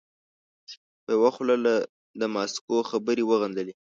په یوه خوله د ماسکو خبرې وغندلې.